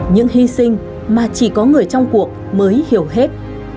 những hy sinh mà chỉ có người trong cuộc mới hiểu hết